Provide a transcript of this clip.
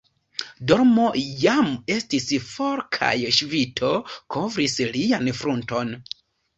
Dormo jam estis for, kaj ŝvito kovris lian frunton.